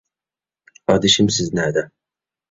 ئادىشىم، سىز نەدە؟